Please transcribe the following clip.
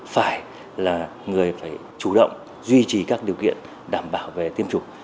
phải là người phải chủ động duy trì các điều kiện đảm bảo về tiêm chủng